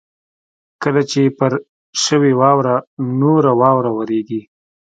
کله چې پر شوې واوره نوره واوره ورېږي.